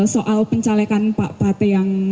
soal pencalekan pak bate yang